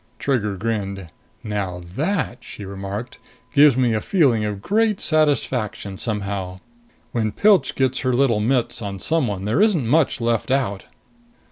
Trigger grinned. "Now that," she remarked, "gives me a feeling of great satisfaction, somehow. When Pilch gets her little mitts on someone, there isn't much left out."